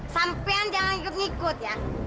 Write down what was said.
sampaian jangan ngikut ngikut ya